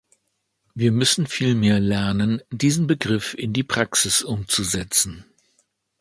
Wir müssen vielmehr lernen, diesen Begriff in die Praxis umzusetzen.